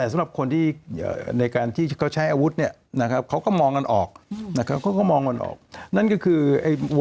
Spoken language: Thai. มันไม่ชัดหรอกครับ